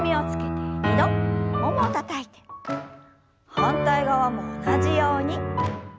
反対側も同じように。